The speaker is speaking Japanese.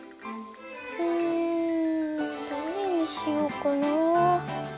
うんどれにしようかな？